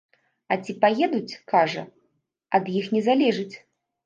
А ці паедуць, кажа, ад іх не залежыць.